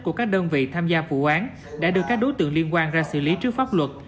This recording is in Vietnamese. của các đơn vị tham gia vụ án đã đưa các đối tượng liên quan ra xử lý trước pháp luật